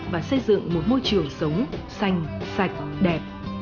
và xây dựng một môi trường sống xanh sạch đẹp